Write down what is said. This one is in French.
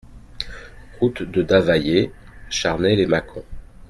Route de Davayé, Charnay-lès-Mâcon